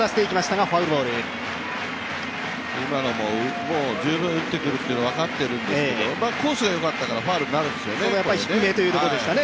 今のも十分打ってくるのが分かってるんですけどコースがよかったからファウルになるんですよね。